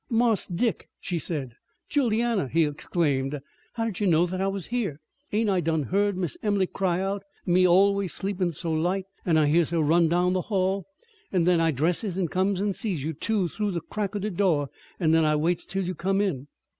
"Marse Dick?" she said. "Juliana!" he exclaimed. "How did you know that I was here?" "Ain't I done heard Miss Em'ly cry out, me always sleepin' so light, an' I hears her run down the hail. An' then I dresses an' comes an' sees you two through the crack o' the do', an' then I waits till you come in."